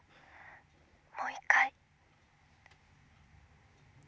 もう一回。